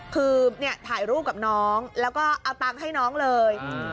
คือถ่ายรูปกับน้องแล้วก็เอาตังค์ให้น้องเลย